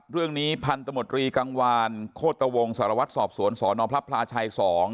เรื่องนี้พันธมตรีกลางวานโฆษตะวงสารวัตรสอบสวนสอนพระพลาชัย๒